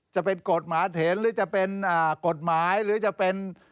จะเป็นกฎหมายเถนหรือจะเป็นกฎหมายหรือจะเป็น